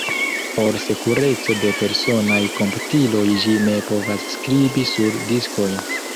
Por sekureco de personaj komputiloj ĝi ne povas skribi sur diskojn.